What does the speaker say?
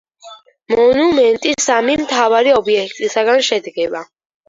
მონუმენტი სამი მთავარი ობიექტისაგან შედგება.